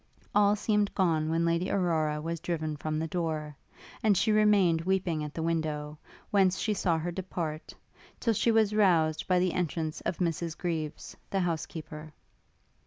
All seemed gone when Lady Aurora was driven from the door; and she remained weeping at the window, whence she saw her depart, till she was roused by the entrance of Mrs Greaves, the housekeeper.